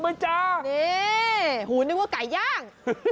นี่หูนึกว่าไก่ย่าง